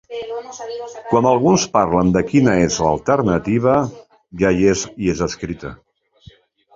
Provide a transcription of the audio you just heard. Quan alguns parlen de quina és l’alternativa, ja hi és i és escrita.